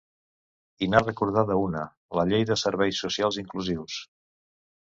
I n’ha recordada una: la llei de serveis socials inclusius.